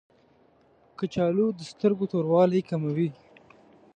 کچالو د سترګو توروالی کموي